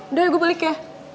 udah gue balik ya